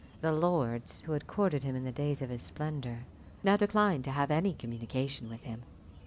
The lords who had courted him in the days of his splendour, now declined to have any communication with him.